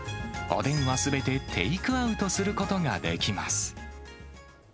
おでんはすべてテイクアウトすることができます。